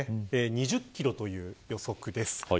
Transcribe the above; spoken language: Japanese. ２０キロという予測です。